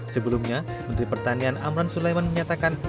sebelumnya menteri pertanian amran sulaiman menyatakan